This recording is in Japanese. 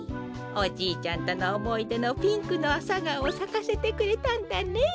おじいちゃんとのおもいでのピンクのアサガオをさかせてくれたんだね。